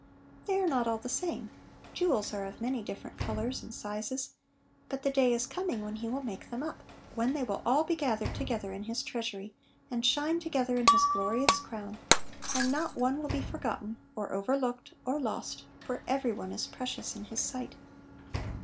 They are not all the same, jewels are of many Little Pillows. 73 different colors and sizes; but the da} is coming when He will make them up, — when they will all be gathered together in His treasury, and shine to gether in His glorious crown, and not one will be forgotten, or overlooked, or lost, for every one is "precious in His sight."